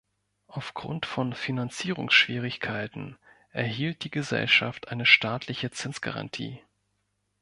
Auf Grund von Finanzierungsschwierigkeiten erhielt die Gesellschaft eine staatliche Zinsgarantie.